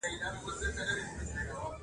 چي یې ټول خپلوان کړل قتل زړه یې سوړ سو!.